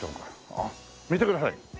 あっ見てください。